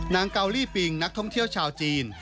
เกาลี่ปิงนักท่องเที่ยวชาวจีน